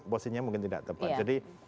posisinya mungkin tidak tepat jadi